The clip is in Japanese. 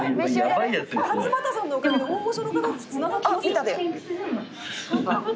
「勝俣さんのおかげで大御所の方とつながってますよ」